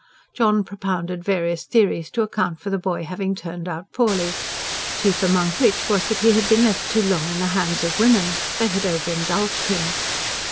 John propounded various theories to account for the boy having turned out poorly, chief among which was that he had been left too long in the hands of women. They had overindulged him.